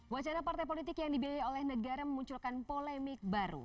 wacana partai politik yang dibiayai oleh negara memunculkan polemik baru